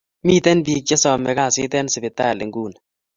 Miten pik che same kasit en sipitali nguni